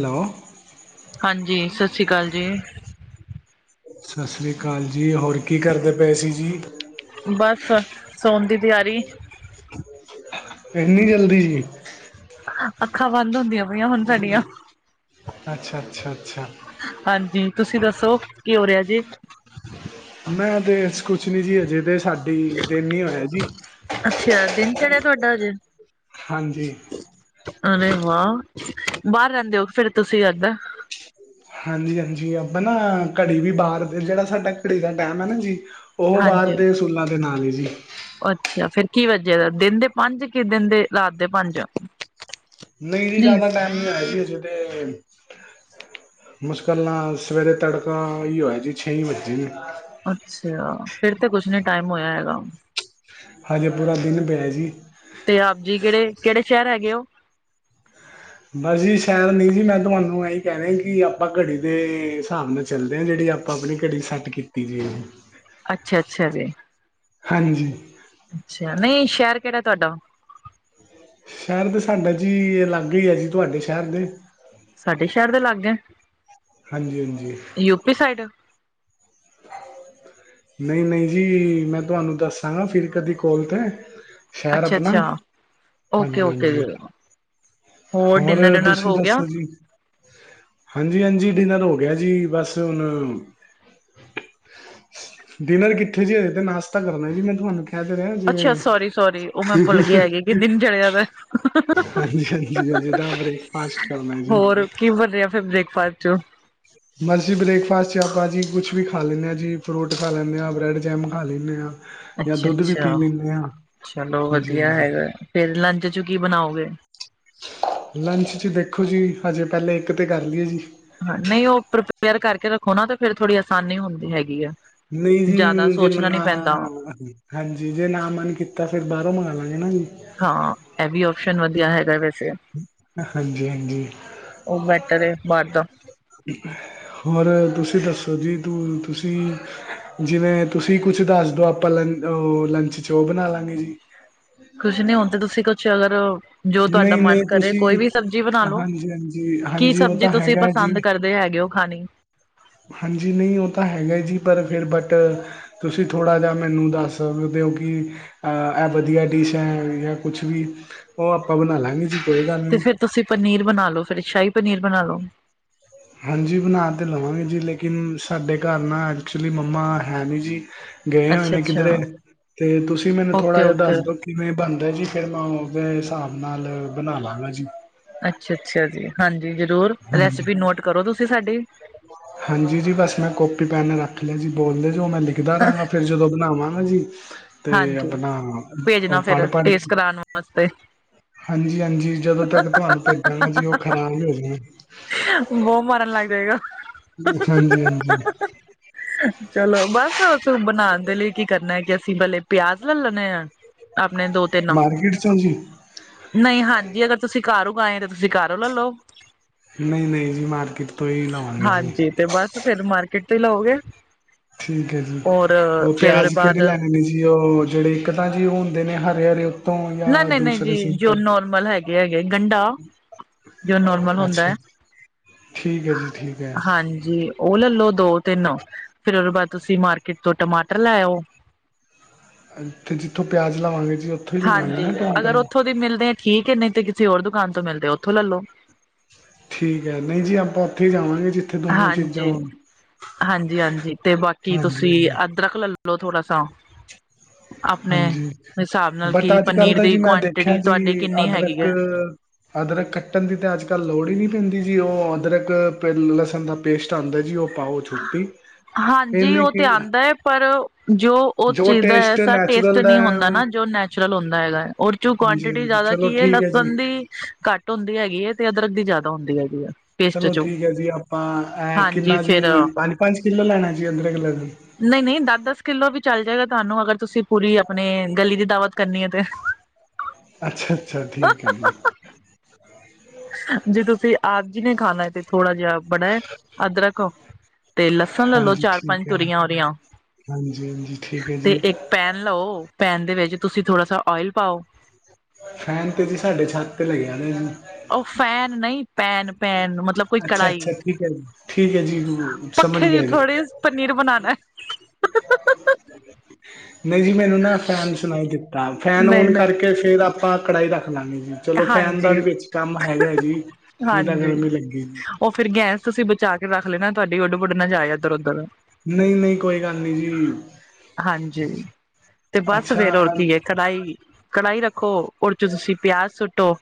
Hello ਹਾਂਜੀ। ਸਸੀਕਾਲ ਜੀ। ਸਸ੍ਰੀਕਾਲ ਜੀ। ਹੋਰ ਕੀ ਕਰਦੇ ਪਏ ਸੀ ਜੀ? ਬਸ। ਸੋਨ ਦੀ ਤਿਆਰੀ ਇਨੀ ਜਲਦੀ ਜੀ। ਅੱਖਾਂ ਬੰਦ ਹੁੰਦੀਆਂ। ਪਈਆਂ ਹੁਣ ਸਾਡੀਆਂ ਅੱਛਾ-ਅੱਛਾ-ਅੱਛਾ। ਹਾਂਜੀ। ਤੁਸੀਂ ਦੱਸੋ ਕੀ ਹੋ ਰਿਆ ਜੇ? ਮੈਂ ਤੇ ਕੁਛ ਨੀ ਜੀ ਅਜੇ ਤੇ ਸਾਡੀ ਦਿਨ ਈ ਹੋਇਆ ਜੀ। ਅਛੇਆ। ਦਿਨ ਚੜਿਆ ਤੁਹਾਡਾ ਅਜੇ। ਹਾਂਜੀ। ਅਰੇ ਵਾਹ। ਬਾਰ ਰੇਂਦੇ ਓ ਫੇਰ ਤੁਸੀਂ ਏਦਰ ਹਾਂਜੀ-ਹਾਂਜੀ ਆਪਾਂ ਨਾ ਘੜੀ ਵੀ ਬਾਰ ਦੇ। ਜੇੜਾ ਸਾਡਾ ਘੜੀ ਦਾ ਟੈਮ ਐ ਨਾ ਜੀ ਓ ਬਾਰ ਦੇ ਅਸੂਲਾਂ ਦੇ ਨਾਲ ਐ ਜੀ। ਅੱਛੇਆ। ਫੇਰ ਕੀ ਵੱਜਿਆ ਦਾ ਦਿਨ ਦੇ ਪੰਜ ਕੀ ਦਿਨ ਦੇ ਰਾਤ ਦੇ ਪੰਜ? ਨਈ ਜੀ ਨਹੀਂ ਜਾਦਾ ਟੈਮ ਨੀ ਹੋਇਆ ਜੀ ਅਜੇ ਤੇ। ਮੁਸ਼ਕਲ ਨਾਲ ਸਵੇਰੇ ਤੜਕਾ ਈ ਹੋਇਆ ਜੀ ਛੇ ਵੱਜੇ ਨੇ। ਅੱਛੇਆ ਫੇਰ ਤੇ ਕੁੱਛ ਨੀ ਟਾਈਮ ਹੋਇਆ ਹੈਗਾ। ਹਜੇ ਪੂਰਾ ਦਿਨ ਪਿਆ ਜੀ। ਤੇ ਆਪ ਜੀ ਕੇੜੇ। ਕੇੜੇ ਸ਼ੈਰ ਹੈਗੇ ਓ? ਬਸ ਜੀ ਸ਼ੈਰ ਨੀ ਜੀ। ਮੈਂ ਤੁਹਾਨੂੰ ਏਈ ਕੈਨਾਂ ਕੀ ਆਪਾਂ ਘੜੀ ਦੇ ਹਿਸਾਬ ਨਾ ਚੱਲਦੇ ਆ ਜੇੜੀ। ਆਪਾਂ ਆਪਣੀ ਘੜੀ ਸੈੱਟ ਕੀਤੀ ਜੇ। ਅੱਛਾ-ਅੱਛਾ ਜੀ। ਹਾਂਜੀ। ਅੱਛਾ। ਨਈ ਸ਼ੈਰ ਕੇੜਾ ਤੁਹਾਡਾ? ਸ਼ੈਰ ਤਾਂ ਸਾਡਾ ਜੀ ਲਾਗੇ ਈ ਐ ਜੀ ਤੁਆਡੇ ਸ਼ੈਰ ਦੇ। ਸਾਡੇ ਸ਼ੈਰ ਦੇ ਲਾਗੇ? ਹਾਂਜੀ-ਹਾਂਜੀ। UP side? ਨਈਂ, ਨਈਂ ਜੀ, ਮੈਂ ਤੁਆਨੂੰ ਦੱਸਾਂਗਾ ਫਿਰ ਕਦੀ ਕੋਲ ਤੇ। ਸ਼ੈਰ ਅੱਛਾ ਆਪਣਾ, ਅੱਛਾ ਓਕੇ ਓਕੇ ਜੀ ਹਾਂਜੀ-ਹਾਂਜੀ। ਹੋਰ ਡਿਨਰ ਡਿਨਰ ਤੁਸੀਂ ਹੋ ਗਿਆ ਦੱਸੋ ਜੀ? ਹਾਂਜੀ-ਹਾਂਜੀ ਡਿਨਰ ਹੋ ਗਿਆ ਜੀ, ਬਸ ਹੁਣ ਡਿਨਰ ਕਿੱਥੇ ਜੀ ਹਜੇ ਤੇ ਨਾਸ਼ਤਾ ਕਰਨਾ ਜੀ, ਮੈਂ ਤਹਾਨੂੰ ਕੈ ਤੇ ਰਿਆ ਜਿਵੇਂ ਕੀ ਦਿਨ ਚੜਿਆ ਦਾ ਐ। ਹਾਂਜੀ ਹਜੇ ਤਾਂ [unintelligible] ਬ੍ਰੇਕਫਾਸਟ ਕਰਨਾ ਜੀ ਹੋਰ ਕਿ ਬਣਿਆ ਫੇਰ ਬ੍ਰੇਕਫਾਸਟ ਚ? ਬਸ ਜੀ ਬ੍ਰੇਕਫਾਸਟ ਚ ਆਪਾਂ ਜੀ ਕੁੱਛ ਵੀ ਖਾ ਲੈਂਨੇ ਆ ਜੀ। ਫਰੂਟ ਖਾ ਲੈਂਨੇ ਆਂ, ਬਰੈਡ ਜੈਮ ਖਾ ਲੈਂਨੇ ਆਂ। ਅੱਛਾ-ਅੱਛਾ, ਚਲੋ ਹਾਂਜੀ ਵਧੀਆ ਹਾਂਜੀ ਹੈਗਾ, ਫੇਰ ਲੰਚ ਚ ਕੀ ਬਣਾਓਗੇ? ਲੰਚ ਚ ਦੇਖੋ ਜੀ, ਹਜੇ ਪੈਲੇ ਇੱਕ ਤੇ ਕਰ ਲੀਏ ਜੀ। ਨਈ ਓ ਪ੍ਰੀਪੇਅਰ ਕਰਕੇ ਰੱਖੋ ਨਾ ਤੇ ਫੇਰ ਥੋੜੀ ਆਸਾਨੀ ਹੁੰਦੀ ਹੈਗੀ ਐ। ਨਈਂ ਜੀ ਜੇ [unintelligible] ਹਾਂਜੀ ਜੇ ਨਾਂ ਮਨ ਕੀਤਾ ਫੇਰ ਬਾਰੋਂ ਮੰਗਾਂ ਲਾਂਗੇ ਨਾ ਜੀ। ਹਾਂ, ਐ ਵੀ ਓਪਸ਼ਨ ਵਧੀਆ ਹੈਗਾ ਵੈਸੇ। ਹਾਂਜੀ ਹਾਂਜੀ ਓ ਬੈਟਰ ਐ, ਬਾਰ ਦਾ। ਹੋਰ ਤੁਸੀਂ ਦੱਸੋ ਜੀ ਤੂੰ ਤੁਸੀਂ ਜਿਵੇਂ ਤੁਸੀਂ ਕੁੱਛ ਦੱਸ ਦੋ, ਆਪਾਂ ਲੰ ਅ ਲੰਚ ਚ ਓ ਬਣਾ ਲਾਂਗੇ ਜੀ। ਕੁੱਛ ਨੀਂ ਹੁਣ ਤੇ ਤੁਸੀਂ ਕੁੱਛ ਅਗਰ ਓ ਜੋ ਤੁਆਡਾ ਨਹੀਂ ਨਹੀਂ ਮਨ ਕਰੇ ਤੁਸੀਂ ਕੋਈ ਵੀ ਸਬਜੀ ਬਣਾਲੋ। ਹਾਂਜੀ ਹਾਂਜੀ ਕੀ ਹਾਂਜੀ ਉਹ ਸਬਜ਼ੀ ਤਾਂ ਤੁਸੀਂ ਹੈਗਾ ਜੀ ਪਸੰਦ ਕਰਦੇ ਹੈਗੇ ਓ ਖਾਣੀ? ਹਾਂਜੀ, ਨਈ ਓ ਤਾਂ ਹੈਗਾ ਜੀ, ਪਰ ਫਿਰ ਬਟ ਤੁਸੀ ਥੋੜਾ ਜਿਆ ਮੈਨੂੰ ਦਾੱਸ ਸਕਦੇ ਓ ਕਿ ਐ ਵਦੀਆ ਡਿਸ਼ ਐ, ਯਾਂ ਕੁਛ ਵੀ ਓ ਆਪਾਂ ਬਨਾ ਲਾਂਗੇ ਜੀ। ਕੋਈ ਗੱਲ ਤੇ ਨੀਂ ਫਿਰ ਤੁਸੀਂ ਪਨੀਰ ਬਣਾ ਲੋ ਫੇਰ, ਸ਼ਾਹੀ ਪਨੀਰ ਬਣਾ ਲੋ। ਹਾਂਜੀ ਬਣਾ ਤੇ ਲਵਾਂਗੇ ਜੀ ਲੇਕਿਨ ਸਾਡੇ ਘਰ ਨਾਂ ਐਕਚੁਲੀ ਮੰਮਾ ਹੈ ਨੀਂ ਜੀ। ਗਏ ਹੋਏ ਅੱਛਾ ਨੇ ਅੱਛਾ ਕਿੱਧਰੇ ਤੇ ਤੁਸੀਂ ਮੈਨੂੰ ਥੋੜਾ ਓਕੇ ਜਿਆ ਓਕੇ ਦੱਸਦੋ ਕਿਵੇਂ ਬਨਦਾ ਜੀ ਫੇਰ ਮੈਂ ਓਦੇ ਸਾਬ ਨਾਲ ਬਨਾਲਾਂਗਾ ਜੀ। ਅੱਛਾ, ਅੱਛਾ ਜੀ, ਹਾਂਜੀ ਜ਼ਰੂਰ ਹਾਂਜੀ ਰੈਸਿਪੀ ਨੋਟ ਕਰੋ ਤੁਸੀ ਸਾਡੀ ਹਾਂਜੀ ਜੀ ਬਸ ਮੈਂ ਕੋਪੀ ਪੈਨ ਰੱਖ ਲਯਾ ਜੀ, ਬੋਲਦੇ ਜਾਓ ਮੈਂ ਲਿਖ ਲਿਖਦਾ ਰਾਂਗਾ, ਫੇਰ ਜਦੋਂ ਬਨਾਵਾਂਗਾ ਜੀ ਤੇ ਹਾਂਜੀ, ਆਪਣਾ ਪੇਜਨਾ ਉਹ ਪੜ੍ਹ ਫੇਰ ਪੜ੍ਹ ਟੇਸਟ ਕੇ ਕਰਾਨ ਵਾਸਤੇ ਹਾਂਜੀ, ਹਾਂਜੀ, ਜਦੋਂ ਤੱਕ ਤੋਆਨੂੰ ਪੇਜਾਂਗਾ ਜੀ, ਓ ਖ਼ਰਾਬ ਈ ਹੋ ਜਾਨੈ। ਬੋ ਮਾਰਨ ਲੱਗ ਜਏਗਾ। ਹਾਂਜੀ, ਹਾਂਜੀ। ਚਲੋ, ਬਸ ਉਸ ਬਨਾਨ ਦੇ ਲਈ ਕੀ ਕਰਨਾ ਏ ਕਿ ਅਸੀਂ ਪੈਲੇ ਪੇਯਾਜ ਲੱਲ ਲੇਨੇ ਆ, ਆਪਨੇ ਦੋ-ਤਿੰਨ ਮਾਰਕੀਟ ਚੋਂ ਜੀ ਨਈ, ਹਾਂਜੀ ਅਗਰ ਤੁਸੀ ਕਾਰ ਉਗਾਏ ਐ, ਤੇ ਤੁਸੀ ਕਾਰੋ ਲੱਲੋ। ਨਈ, ਨਈਂ ਜੀ, ਮਾਰਕੀਟ ਤੋ ਈ ਲਵਾਂਗੇ ਜੀ। ਹਾਂਜੀ ਤੇ ਬਸ ਫੇਰ ਮਾਰਕੀਟ ਤੋਂ ਈ ਲਓਗੇ। ਠੀਕ ਏ ਜੀ, ਔਰ ਓ ਫੇਰ ਉਹਦੇ ਪੇਯਾਜ ਬਾਅਦ ਕੇੜੇ ਲੈਨੇ ਨੇ ਜੀ? ਜੀ ਓ ਜੇੜੇ ਇੱਕ ਤਾਂ ਜੀ ਓ ਹੁੰਦੇ ਨੇ ਹਰੇ-ਹਰੇ ਤੋਂ ਯਾ ਨਹੀਂ ਨਹੀਂ ਨਹੀਂ ਦੂਸਰੇ ਜੀ ਜੋ ਸਿੰਪਲ, ਨੋਰਮਲ ਹੈਗੇ ਹੈਗੇ ਗੰਢਾ ਜੋ ਨੋਰਮਲ ਹੁੰਦਾ ਹੈ ਅੱਛਾ। ਠੀਕ ਐ ਜੀ, ਠੀਕ ਐ। ਓ ਲੱਲੋ ਦੋ-ਤੇਨ, ਫੇਰ ਓਦੇ ਬਾਦ ਤੁਸੀ ਮਾਰਕੀਟ ਤੋਂ ਟਮਾਟਰ ਲੈਓ। ਤੇ ਜਿੱਥੋਂ ਪਯਾਜ ਲਵਾਂਗੇ ਜੀ ਓ ਹਾਂਜੀ, ਅਗਰ ਓਥੋਂ ਦੀ ਮਿਲਦੇ ਐਂ, ਠੀਕ ਏ ਨਈ, ਤੇ ਕਿਸੇ ਹੋਰ ਦੁਕਾਨ ਤੋਂ ਮਿਲਦੇ ਓਥੋ ਲੱਲੋ। ਠੀਕ ਐ, ਨਈ ਜੀ ਆਪਾਂ ਓਥੇ ਈ ਜਾਵਾਂਗੇ ਜੀ। ਹਾਂਜੀ, ਹਾਂਜੀ-ਹਾਂਜੀ, ਤੇ ਬਾਕੀ ਹਾਂਜੀ ਤੁਸੀ ਹਾਂਜੀ ਅਦਰਕ ਲੱਲ ਲੱਲੋ ਥੋੜਾ ਸਾ [inaudible] ਆਪਣੇ ਹਾਂਜੀ, ਹਿਸਾਬ ਨਾਲ ਬਟ ਕਿ ਆੱਜ-ਕਾੱਲ ਪਨੀਰ ਦਾ ਦੀ ਜੀ ਮੈਂ ਦੇਖਯਾ ਕੁਆਂਟਿਟੀ ਜੀ ਤੁਹਾਡੇ ਕਿੰਨੀ ਹੈਗੀ ਅਦਰਕ ਹੈ ਅਦਰਕ ਕੱਟਨ ਦੀ ਤੇ ਅੱਜ-ਕੱਲ ਲੋੜ ਈ ਪੈਂਦੀ ਜੀ, ਓ ਅਦਰਕ ਪੇ ਲਸਨ ਦਾ ਪੇਸਟ ਆਂਦੈ ਜੀ ਓ ਹਾਂਜੀ, ਓ ਤੇ ਕਿ ਆਂਦਾਏ, ਪਰ ਜੋ ਓ ਜੋ ਚੀਜ਼ ਦਾ ਟੇਸਟ ਐਸਾ ਟੇਸਟ ਨੈਚੁਰਲ ਨੀ ਦਾ ਹੈ ਹੁੰਦਾ ਉਹ ਨਾ, ਜੋ ਨੈਚੁਰਲ ਹੁੰਦਾ ਹੈਗਾ ਏ ਓਰ ਜੋ ਹਾਂਜੀ ਕੋਆਂਟਿਟੀ ਹਾਂਜੀ ਜਾਦਾ ਚਲੋ ਕੀ ਏ ਠੀਕ ਹੈ ਜੀ ਲਸਨ ਦੀ ਘੱਟ ਹੁੰਦੀ ਹੈਗੀ ਏ, ਤੇ ਅਦਰਕ ਦੀ ਜਾਦਾ ਹੁੰਦੀ ਹੈਗੀ ਏ। ਚਲੋ ਠੀਕ ਐ ਜੀ, ਆਪਾਂ ਐ ਕਿੰਨਾ ਫੇਰ ਜੀ ਪੰਜ-ਪੰਜ ਕਿੱਲੋ ਲੈਨੈ ਜੀ ਅਦਰਕ, ਲਸਣ? ਨਈ-ਨਈ, ਦੱਸ-ਦੱਸ ਕਿੱਲੋ ਵੀ ਚੱਲ ਜੇਗਾ ਤੁਆਨੂੰ, ਅਗਰ ਤੁਸੀ ਪੂਰੀ ਆਪਨੀ ਗਲੀ ਦੀ ਦਾਵਤ ਕਰਨੀ ਏ ਤੇ। ਅੱਛਾ-ਅੱਛਾ ਠੀਕ ਏ ਜੀ। ਜੇ ਤੁਸੀ ਆਪ ਜੀ ਨੇ ਖਾਨੈ, ਤੇ ਥੋੜਾ ਜੇਯਾ ਬੜੈ ਅਦਰਕ ਤੇ ਲਸਨ ਲੱਲੋ ਚਾਰ-ਪਾਂਜ ਤੁਰੀਯਾਂ ਓਦੀਆਂ ਹਾਂਜੀ-ਹਾਂਜੀ, ਠੀਕ ਐ ਜੀ। ਤੇ ਏਕ ਪੈਨ ਲਓ, ਪੈਨ ਦੇ ਵਿੱਚ ਤੁਸੀ ਥੋੜਾ ਸਾ ਓਏਲ ਪਾਓ। ਫੈਨ ਤੇ ਜੀ ਸਾਡੇ ਛੱਤ ਤੇ ਲਗਯਾ ਦੈਜੀ। ਓ ਫੈਨ ਨਈ ਪੈਨ, ਪੈਨ ਮਤਲਬ ਕੋਈ ਕੜਾਈ, ਜੀ ਸਮਝ ਪੱਖੇ ਤੇ ਥੋੜੇ ਪਨੀਰ ਬਨਾਨੈ। [inaudible] ਨਈ ਜੀ ਮੈਨੂੰ ਨਾ ਫੈਨ ਸੁਨਾਈ ਦਿੱਤਾ, ਫੈਨ ਨਹੀਂ ਓਨ ਨਹੀਂ ਕਰਕੇ ਫੇਰ ਆਪ ਆਪਾਂ ਕੜਾਈ ਰੱਖ ਲਾਂਗੇ ਜੀ, ਚਲੋ ਫੈਨ ਹਾਂਜੀ ਦਾ ਵੀ ਵੇੱਚ ਕੱਮ ਹੈਗੈ ਜੀ। ਨਹੀਂ ਤਾਂ ਹਾਂਜੀ, ਗਰਮੀ ਲੱਗੀ ਓ ਫੇਰ ਗੈਸ ਤੁਸੀ ਬਚਾ ਕੇ ਰੱਖ ਲੈਨਾ, ਤੁਆਡੀ ਓੱਡ-ਪੁੱਡ ਨਾ ਜਾਏ ਐੱਦਰ-ਓਦਰ। ਨਈ-ਨਈ, ਕੋਈ ਗਾੱਲ ਨੀ ਜੀ। ਹਾਂਜੀ, ਤੇ ਬੱਸ ਅੱਛਾ ਫੇਰ ਓਰ ਅਲ- ਕੀ ਏ ਕੜਾਈ ਕੜਾਈ ਰੱਖੋ, ਓਦੇ ਚ ਤੁਸੀ ਪਯਾਜ ਸੁੱਟੋ।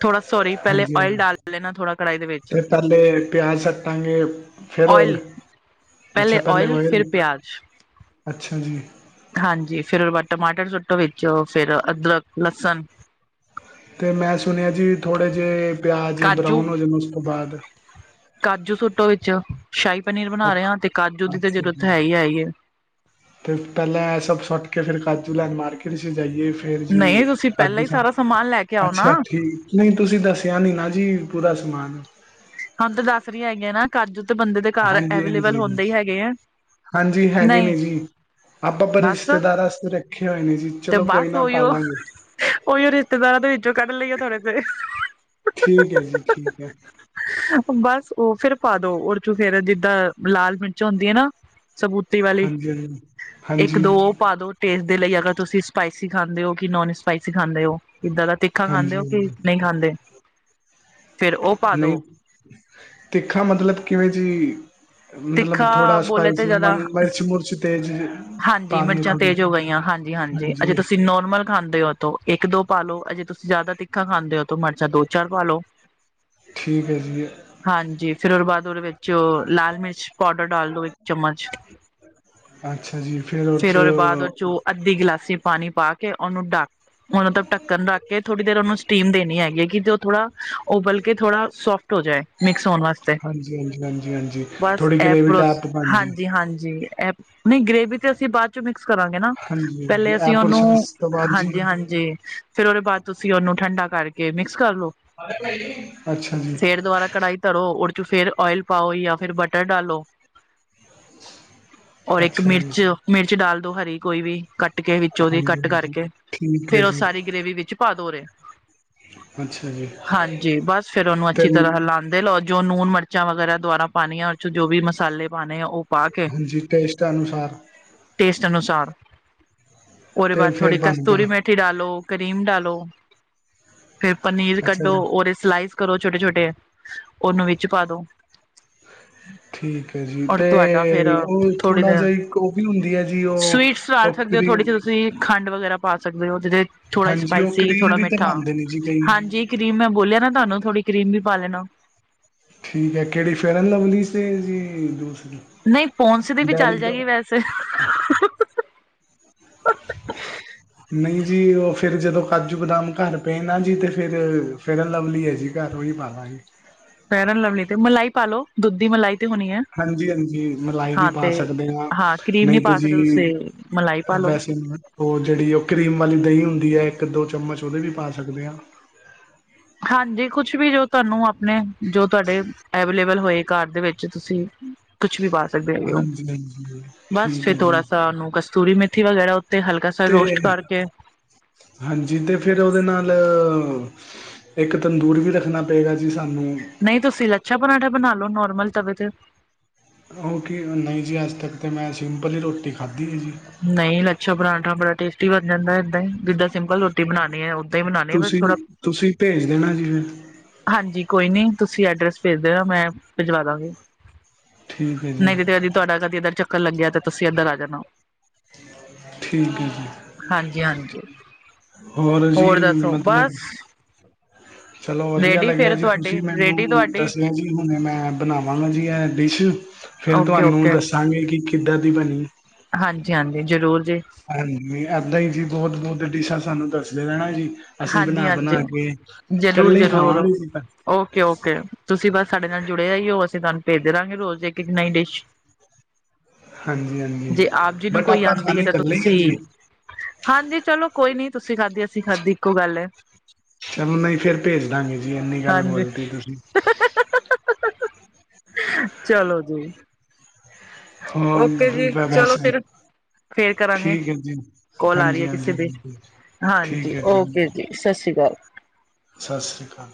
ਥੋੜਾ ਸੋਰੀ, ਪੈਲੇ ਹਾਂਜੀ ਓਇਲ ਹਾਂਜੀ ਡਾਲ ਲੇਨਾ ਥੋੜਾ ਕੜਾਈ ਦੇ ਵੇੱਚ। ਤੇ ਪਹਿਲੇ ਪਿਆਜ਼ ਸੱਟਾਂਗੇ ਫਿਰ ਓਇਲ ੳਇਲ, ਅੱਛਾ ਪੈਲੇ ਪਹਿਲੇ ੳਇਲ ਓਇਲ ਫਿਰ ਪਿਆਜ। ਅੱਛਾ ਜੀ ਹਾਂਜੀ ਫੇਰ ਓਦੇ ਬਾਦ ਟਮਾਟਰ ਸੁੱਟੋ ਵਿੱਚ ਫੇਰ ਅਦਰਕ, ਲਸਣ ਤੇ ਮੈਂ ਸੁਣਿਆ ਜੀ ਥੋੜ੍ਹੇ ਜਿਹੇ ਪਿਆਜ ਕਾਜੂ ਬਰਾਊਨ ਹੋ ਜਾਣ ਓਸ ਤੋਂ ਬਾਅਦ ਕਾਜੂ ਸੁੱਟੋ ਵਿੱਚ ਸ਼ਾਹੀ ਪਨੀਰ ਬਣਾ ਰੇਆ, ਤੇ ਕਾਜੂ ਦੀ ਤਾਂ ਜਰੂਰਤ ਹੈਈ ਹੈਈਏ। ਫੇਰ ਪੈਲਾਂ ਐ ਸਭ ਸੂਟ ਕੇ ਫਿਰ ਕਾਜੂ ਲੈਨ ਮਾਰਕੀਟ ਚ ਜਾਈਏ ਫ ਫੇਰ ਜੀ, ਨਹੀਂ ਤੁਸੀਂ ਪਹਿਲਾਂ ਕਾਜੂ ਹੀ ਸਾਰਾ ਸਮਾਨ ਸਾਮਣੇ ਲੈ ਕੇ ਆਓ ਨਾ ਅੱਛਾ ਠੀਕ ਨਈਂ ਤੁਸੀਂ ਦੱਸਿਆ ਨੀ ਨਾ ਜੀ, ਪੂਰਾ ਸਮਾਨ। ਹੁਣ ਤਾਂ ਦੱਸ ਰੀ ਹੈਗੀ ਆਂ ਨਾਂ, ਕਾਜੂ ਤੇ ਬੰਦੇ ਦੇ ਘਰ ਹਾਂਜੀ ਐਵੇਲੇਬਲ ਹਾਂਜੀ ਹੁੰਦੇ ਈਂ ਹੈਗੇ ਆ। ਹਾਂਜੀ ਹੈਗੇ ਨਹੀਂ ਨੇ ਜੀ, ਆਪਾਂ ਪਰ ਬਸ ਰਿਸ਼ਤੇਦਾਰਾਂ ਆਸਤੇ ਰੱਖੇ ਹੋਏ ਨੇ ਜੀ। ਤੇ ਚਲੋ ਕੋਈ ਬਸ ਨਾ ਪਾ ਓਈਓ ਲਾਂਗੇ ਓਈਓ ਰਿਸ਼ਤੇਦਾਰਾਂ ਦੇ ਵਿੱਚੋਂ ਕੱਢ ਲਈਏ ਥੋੜੇ ਸੇ। ਠੀਕ ਐ ਜੀ ਠੀਕ ਐ। ਬਸ ਉਹ ਫੇਰ ਪਾ ਦੋ ਉਹਦੇ ਚ ਫੇਰ ਜਿੱਦਾਂ ਲਾਲ ਮਿਰਚ ਹੁੰਦੀ ਐ ਨਾ ਸਬੂਤ ਵਾਲੀ, ਹਾਂਜੀ ਹਾਂਜੀ ਇੱਕ ਹਾਂਜੀ ਦੋ ਉਹ ਪਾ ਦੋ। ਟੇਸਟ ਦੇ ਲਈ ਅਗਰ ਤੁਸੀਂ ਸਪਾਈਸੀ ਖਾਂਦੇ ਔ ਕਿ ਨੋਨ ਸਪਾਈਸੀ ਖਾਂਦੇ ਔ, ਕਿੱਦਾਂ ਦਾ ਤਿੱਖਾ ਖਾਂਦੇ ਔ, ਹਾਂਜੀ ਕਿ ਹਾਂਜੀ ਨੀ ਖਾਂਦੇ ਫੇਰ ਉਹ ਪਾ ਦੋ ਨਈ, ਤਿੱਖਾ ਮਤਲਬ ਕਿਵੇਂ ਜੀ ਮਤਲਬ ਤਿੱਖਾ ਥੋੜਾ ਬੋਲੇ ਤੇ ਸਪਾਈਸੀ ਜ਼ਿਆਦਾ ਮਿਰਚ ਮੁਰਚ ਤੇਜ਼ ਪਾਣੀ ਐ ਮਿਰਚਾਂ ਥੋੜ੍ਹੀ ਤੇਜ਼ ਹੋ ਗਈਆਂ ਹਾਂਜੀ ਅਜੇ ਤੁਸੀਂ ਨੋਰਮਲ ਖਾਂਦੇ ਔ ਉੱਥੋਂ ਇੱਕ ਦੋ ਪਾਲੋ ਅਜੇ ਤੁਸੀਂ ਜ਼ਿਆਦਾ ਤਿੱਖਾ ਖਾਂਦੇ ਔ ਤੋ ਮਿਰਚਾਂ ਦੋ ਚਾਰ ਪਾ ਲਓ। ਠੀਕ ਐ ਜੀ ਹਾਂਜੀ ਫੇਰ ਉਹਦੇ ਬਾਦ ਉਹਦੇ ਵਿੱਚ ਲਾਲ ਮਿਰਚ ਪਾਊਡਰ ਡਾਲ ਦੋ ਇੱਕ ਚਮਚ, ਅੱਛਾ ਜੀ ਫੇਰ ਉਹ ਫਿਰ 'ਚ ਉਹਦੇ ਬਾਦ ਉਹ ਚ ਅੱਧੀ ਗਿਲਾਸੀ ਪਾਣੀ ਪਾ ਕੇ ਉਹਨੂੰ ਡਕ ਹੁਣ ਉਹਦਾ ਢੱਕਣ ਰੱਖ ਕੇ ਥੋੜ੍ਹੀ ਦੇਰ ਉਹਨੂੰ ਸਟੀਮ ਦੇਣੀ ਹੈਗੀ ਐ ਕਿ ਜੋ ਉਹ ਥੋੜਾ ਉਹ ਬਲਕਿ ਥੋੜਾ ਸੋਫਟ ਹੋ ਜਾਏ ਮਿਕਸ ਹੋਣ ਵਾਸਤੇ ਹਾਂਜੀ, ਹਾਂਜੀ, ਹਾਂਜੀ, ਹਾਂਜੀ। ਬਸ ਥੋੜ੍ਹੀ ਐ ਗ੍ਰੇਵੀ ਟੈਪ ਬਣ ਜੇ ਹਾਂਜੀ-ਹਾਂਜੀ ਐ ਨਈ ਗ੍ਰੇਵੀ ਤੇ ਅਸੀਂ ਬਾਦ ਚ ਮਿਕਸ ਕਰਾਂਗੇ ਨਾ, ਹਾਂਜੀ, ਹਾਂਜੀ ਪਹਿਲੇ ਅਸੀਂ ਇਹ ਉਹਨੂੰ ਪ੍ਰੋਸੈਸ ਤੋਂ ਬਾਅਦ ਜੀ ਹਾਂਜੀ-ਹਾਂਜੀ। ਫੇਰ ਉਹਦੇ ਬਾਅਦ ਤੁਸੀਂ ਉਹਨੂੰ ਠੰਡਾ ਕਰਕੇ ਮਿਕਸ ਕਰ ਲੋ। ਅੱਛਾ ਜੀ। ਫੇਰ ਦੁਬਾਰਾ ਕੜਾਹੀ ਧਰੋ ਉਹਦੇ ਚ ਫੇਰ ਓਇਲ ਪਾਓ ਜਾਂ ਫਿਰ ਬਟਰ ਡਾਲੋ ਔਰ ਇੱਕ ਅੱਛਾ ਜੀ, ਮਿਰਚ, ਮਿਰਚ ਡਾਲ ਦੋ ਹਰੀ ਕੋਈ ਵੀ ਕੱਟ ਕੁੱਟ ਕੇ ਵਿੱਚ ਉਹਦੀ ਹਾਂਜੀ, ਕੱਟ ਹਾਂਜੀ ਕਰਕੇ, ਠੀਕ ਹੈ ਫੇਰ ਉਹ ਜੀ, ਸਾਰੀ ਗ੍ਰੇਵੀ ਵਿੱਚ ਪਾ ਦੋ ਔਦੇ, ਅੱਛਾ ਜੀ ਹਾਂਜੀ ਬਸ ਫੇਰ ਉਹਨੂੰ ਤੇ ਅੱਛੀ ਤਰ੍ਹਾਂ ਹਲਾਉਦੇ ਲਓ। ਜੋ ਨੂਨ ਮਿਰਚਾਂ ਵਗੈਰਾ ਦੁਬਾਰਾ ਪਾਣੀਆਂ ਉਹ 'ਚ ਜੋ ਵੀ ਮਸਾਲੇ ਪਾਣੇ ਐ। ਉਹ ਪਾ ਕੇ, ਹਾਂਜੀ ਟੇਸਟ ਅਨੁਸਾਰ ਟੇਸਟ ਅਨੁਸਾਰ। ਉਹਦੇ ਤੇ ਬਾਦ ਥੋੜੀ ਫੇਰ ਬਣ ਗਿਆ ਕਸਤੂਰੀ ਮੇਥੀ ਪਟੀ ਡਾਲੋ ਕਰੀਮ ਡਾਲੋ, ਫੇਰ ਪਨੀਰ ਅੱਛਾ ਕੱਢੋ ਜੀ ਓਦੇ ਸਲਾਈਸ ਕਰੋ ਛੋਟੇ-ਛੋਟੇ ਉਹਨੂੰ ਵਿੱਚ ਪਾ ਦੋ। ਠੀਕ ਐ ਜੀ ਔਰ ਤੁਹਾਡਾ ਫੇਰ ਤੇ ਉਹ ਥੋੜ੍ਹੀ ਥੋੜ੍ਹਾ ਦੇਰ ਜਿਹਾ ਇੱਕ ਉਹ ਵੀ ਹੁੰਦੀ ਐ ਜੀ ਉਹ [unintelligible] ਉਹ ਥੋੜ੍ਹੀ ਕਰੀਮ ਜੀ ਤੁਸੀਂ ਖੰਡ ਵਗੈਰਾ ਪਾ ਸਕਦੇ ਹੋ ਜਿਦੇ ਥੋੜਾ ਹਾਂਜੀ ਉਹ ਸਪਾਈਸੀ ਕਰੀਮ ਥੋੜਾ ਵੀ ਤੇ ਮਿੱਠਾ, ਬਣਦੇ ਨੇ ਜੀ ਕਈ ਹਾਂਜੀ। ਕਰੀਮ ਮੈਂ ਬੋਲਿਆ ਨਾ ਤੁਹਾਨੂੰ ਥੋੜੀ ਕਰੀਮ ਵੀ ਪਾ ਲੈਣਾ। ਠੀਕ ਐ ਕਿਹੜੀ ਫੇਅਰਲਵਲੀ ਸੀ ਜੀ ਦੂਸ ਨਈ ਪੋਨਸ ਦੀ ਵੀ ਚੱਲ ਜਾਏਗੀ ਵੈਸੇ ਨਈ ਜੀ ਉਹ ਫੇਰ ਜਦੋਂ ਕਾਜੂ ਬਦਾਮ ਘਰ ਪਏ ਨਾ ਜੀ ਤੇ ਫੇਰ ਫੇਅਰ ਲਵਲੀ ਐ ਜੀ ਘਰ ਉਈ ਪਾਲਾਗੇ ਫੈਅਲ ਲਵਲੀ ਤੇ ਮਲਾਈ ਪਾਲੋ ਦੁੱਧ ਦੀ ਮਲਾਈ ਤੇ ਹੋਣੀ ਐ। ਹਾਂਜੀ-ਹਾਂਜੀ ਮਲਾਈ ਵੀ ਪਾ ਸਕਦੇ ਆ, ਹਾਂ ਕਰੀਮ ਨੀ ਨਹੀਂ ਤੇ ਪਾ ਜੀ ਸਕਦੇ ਤੁਸੀਂ ਮਲਾਈ ਪਾ ਲੋ ਵੈਸੇ ਨਾ ਉਹ ਜਿਹੜੀ ਉਹ ਕਰੀਮ ਵਾਲੀ ਦਹੀਂ ਹੁੰਦੀ ਐ ਇੱਕ ਦੋ ਚਮਚ ਉਹਦੇ ਵੀ ਪਾ ਸਕਦੇ ਆ। ਹਾਂਜੀ ਕੁਛ ਵੀ ਜੋ ਤੁਹਾਨੂੰ ਆਪਣੇ ਜੋ ਤੁਹਾਡੇ ਅਵੇਲੇਬਲ ਹੋਏ। ਘਰ ਦੇ ਵਿੱਚ ਤੁਸੀਂ ਕੁਛ ਵੀ ਪਾ ਸਕਦੇ ਹੈਗੇ ਔ ਉਹ ਹਾਂਜੀ ਹਾਂਜੀ ਬਸ ਠੀਕ ਫੇਰ ਹੈ ਥੋੜਾ ਜੀ ਸ ਉਹਨੂੰ ਕਸਤੂਰੀ ਮੇਥੀ ਵਗੈਰਾ ਉੱਤੇ ਹਲਕਾ। ਸਾ ਤੇ, ਰੋਸਟ ਕਰਕੇ ਹਾਂਜੀ ਤੇ ਫਿਰ ਉਹਦੇ ਨਾਲ ਇੱਕ ਤੰਦੂਰ ਵੀ ਰੱਖਣਾ ਪਏਗਾ ਜੀ ਸਾਨੂੰ ਨਹੀਂ ਤੁਸੀਂ ਲੱਛਾ ਪਰਾਂਠਾ ਬਣਾਲੋ ਨੋਰਮਲ ਤਵੇ ਤੇ। ਉਹ ਕੀ ਨਹੀਂ ਜੀ ਅੱਜ ਤੱਕ ਤਾਂ ਮੈਂ ਸਿੰਪਲ ਹੀ ਰੋਟੀ ਖਾਧੀ ਹੈ ਜੀ। ਨਹੀਂ ਲੱਛਾ ਪਰਾਂਠਾ ਬੜਾ ਟੇਸਟੀ ਬਣ ਜਾਂਦਾ ਏਦਾਂ ਹੀ ਜਿੱਦਾਂ ਸਿੰਪਲ ਰੋਟੀ ਬਣਾਉਣੀ ਹੈ ਓਦਾਂ ਹੀ ਬਣਾਉਣੀ ਆ ਬਸ ਤੁਸੀਂ ਥੋੜਾ ਤੁਸੀਂ ਭੇਜ ਦੇਣਾ ਜੀ ਫਿਰ ਹਾਂਜੀ ਕੋਈ ਨੀ, ਤੁਸੀਂ ਐਡਰੈਸ ਭੇਜ ਦੇਣਾ ਮੈਂ ਭੇਜਵਾ ਦਾਂਗੀ। ਠੀਕ ਹੈ ਜੀ ਨਹੀਂ ਤੇ ਤੇਦੀ ਤੁਹਾਡਾ ਕਦੀ ਇੱਧਰ ਚੱਕਰ ਲੱਗਿਆ ਤੇ ਤੁਸੀਂ ਇੱਧਰ ਆ ਜਾਣਾ।। ਠੀਕ ਹੈ ਜੀ। ਹਾਂਜੀ- ਹਾਂਜੀ, ਜੀ ਹੋਰ ਦੱਸੋ? ਮਤਲਬ ਬਸ। ਚਲੋ ਵਧੀਆ ਰੇਡੀ ਲੱਗਿਆ ਫੇਰ ਜੀ, ਤੁਹਾਡੀ ਤੁਸੀਂ ਰੇਡੀ ਮੈਨੂੰ ਤੁਹਾਡੀ ਦੱਸਣਾ ਜੀ। ਹੁਣੇ ਮੈਂ ਬਣਾਵਾਂਗਾ ਜੀ ਇਹ ਡਿਸ਼, ਫੇਰ ਓਕੇ ਤੁਹਾਨੂੰ ਓਕੇ ਦੱਸਾਂਗੇ ਕਿ ਕਿੱਦਾਂ ਦੀ ਬਣੀ। ਹਾਂਜੀ -ਹਾਂਜੀ ਜ਼ਰੂਰ ਜੀ। ਹਾਂਜੀ, ਏਦਾਂ ਹੀ ਜੀ ਬਹੁਤ- ਬਹੁਤ ਡਿਸ਼ਾਂ ਸਾਨੂੰ ਦੱਸਦੇ ਰਹਿਣਾ ਜੀ। ਅਸੀਂ ਹਾਂਜੀ ਬਣਾ ਹਾਂਜੀ -ਬਣਾ ਕੇ ਜ਼ਰੂਰ ਇਕੱਲੇ ਜ਼ਰੂਰ ਖਾਵਾਂਗੇ। ਓਕੇ -ਓਕੇ ਤੁਸੀਂ ਬਸ ਸਾਡੇ ਨਾਲ ਜੁੜੇ ਰਹਿਓ, ਅਸੀਂ ਤੁਹਾਨੂੰ ਭੇਜ ਦੇ ਰਹਾਗੇ ਰੋਜ਼ ਇਕ। ਇਕ ਨਈ ਡਿਸ਼। ਹਾਂਜੀ ਹਾਂਜੀ ਜੇ ਆਪ ਜੀ ਨੂੰ ਬਟ ਕੋਈ ਆਪਾਂ ਆਉਂਦੀ ਹੈ ਖਾਣੇ ਤਾਂ ਇਕੱਲੇ ਹੀ ਤੁਸੀਂ ਹੈ ਜੀ ਹਾਂਜੀ ਚਲੋ ਕੋਈ ਨੀ, ਤੁਸੀਂ ਖਾਧੀ ਅਸੀਂ ਖਾਧੀ। ਇੱਕੋ ਗੱਲ ਹੈ ਚਲੋ ਨਹੀਂ ਫੇਰ ਭੇਜ ਦਾਂਗੇ ਜੀ, ਇੰਨੀ ਗੱਲ ਹਾਂਜੀ ਬੋਲਤੀ ਤੁਸੀਂ। ਚਲੋ ਜੀ। ਹੋਰ ਓਕੇ ਜੀ, ਵ- ਚਲੋ ਵੈਸੇ ਫਿਰ। ਫੇਰ ਕਰਾਂਗੇ, ਠੀਕ ਹੈ ਜੀ ਕੋਲ ਆ ਰਹੀ ਹੈ ਹਾਂਜੀ ਕਿਸੇ ਹਾਂਜੀ ਦੀ, ਬਿਲਕੁਲ ਠੀਕ ਹਾਂਜੀ ਹੈ ਓਕੇ। ਜੀ ਸਤਿ ਸ਼੍ਰੀ ਅਕਾਲ। ਸਤਿ ਸ਼੍ਰੀ ਅਕਾਲ।